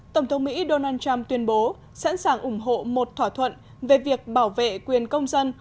tổng thống mỹ donald trump tuyên bố sẵn sàng ủng hộ một thỏa thuận về việc bảo vệ quyền công dân